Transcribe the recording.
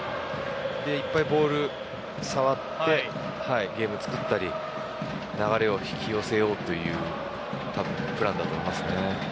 いっぱいボールを触ってゲームを作ったり流れを引き寄せようというプランだと思います。